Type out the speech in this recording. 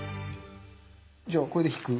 じゃあこれで引く